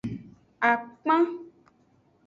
Akpan.